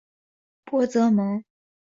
博泽蒙。